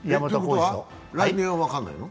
来年は分からないの？